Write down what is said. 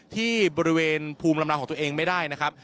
ที่บริเวณภูมิลำเนาของตัวเองไม่ได้นะครับ